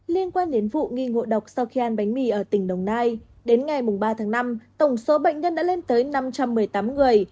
liên quan đến vụ nghi ngộ độc sau khi ăn bánh mì ở tỉnh đồng nai đến ngày ba tháng năm tổng số bệnh nhân đã lên tới năm trăm một mươi tám người